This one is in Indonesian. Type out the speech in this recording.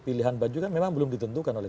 pilihan baju kan memang belum ditentukan oleh